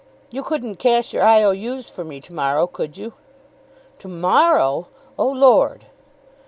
"You couldn't cash your I. O. U.'s for me to morrow; could you?" "To morrow! oh, lord!"